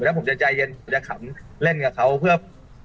แล้วผมจะใจเย็นผมจะขำเล่นกับเขาเพื่อ